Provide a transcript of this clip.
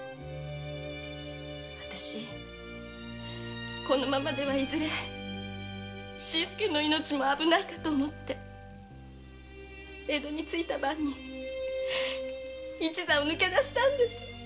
わたしこのままではいずれ新助の命も危ないかと思って江戸に着いた晩に一座を脱け出したんです。